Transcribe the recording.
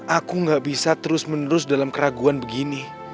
aku gak bisa terus menerus dalam keraguan begini